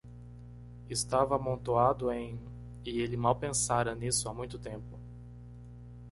Estava amontoado em? e ele mal pensara nisso há muito tempo.